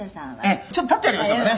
「ちょっと立ってやりましょうかね」